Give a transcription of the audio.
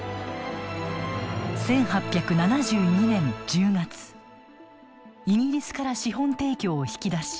１８７２年１０月イギリスから資本提供を引き出し